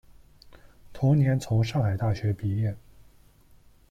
同年从上海大学毕业。